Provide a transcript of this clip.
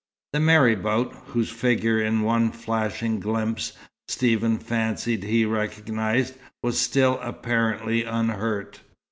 The marabout, whose figure in one flashing glimpse Stephen fancied he recognized, was still apparently unhurt.